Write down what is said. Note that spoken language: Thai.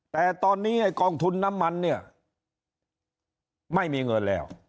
แต่ตอนนี้ไอ้กองทุนน้ำมันเนี่ยไม่มีเงินแล้ว